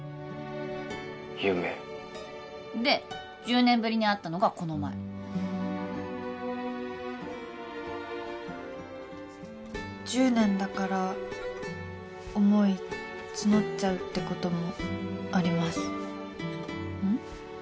夢で１０年ぶりに会ったのがこの前１０年だから思い募っちゃうってこともありますうん？